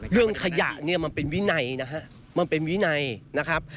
เรื่องขยะเนี่ยมันเป็นวินัยนะฮะมันเป็นวินัยนะครับ